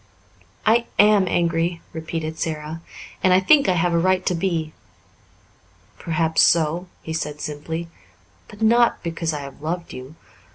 "I am angry," repeated Sara, "and I think I have a right to be." "Perhaps so," he said simply, "but not because I have loved you.